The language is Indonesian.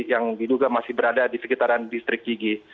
yang diduga masih berada di sekitaran distrik yigi